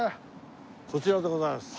こちらでございます。